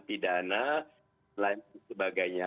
pidana dan lain sebagainya